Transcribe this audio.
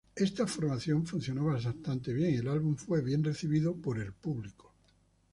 Esta formación funcionó bastante bien y el álbum, fue bien recibido por público.